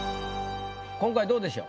今回どうでしょう？